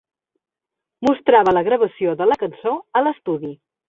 Mostrava la gravació de la cançó a l'estudi.